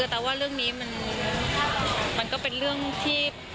แต่ว่าเรื่องนี้มันก็เป็นเรื่องที่